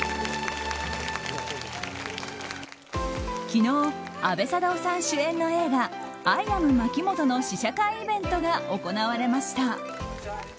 昨日、阿部サダヲさん主演の映画「アイ・アムまきもと」の試写会イベントが行われました。